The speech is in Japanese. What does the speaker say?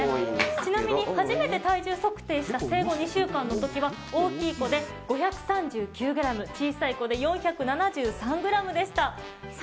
ちなみに初めて体重測定した生後２週間のときは、大きい子で５３９ｇで、小さい子で４７３ｇでした。